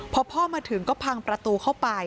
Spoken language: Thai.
พอพ่อมาถึงก็พังประตูเข้าไป